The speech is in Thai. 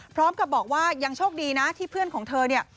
พร้อมกับบอกว่ายังโชคดีนะที่เพื่อนของเธอเนี่ย